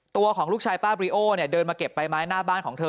ตัวของลูกชายป้าบริโอเนี่ยเดินมาเก็บใบไม้หน้าบ้านของเธอ